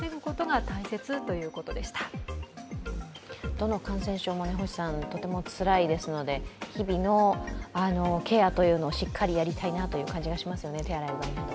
どの感染症もとてもつらいですので日々のケアというのをしっかりやりたいなという感じがしますよね、手洗いうがいなど。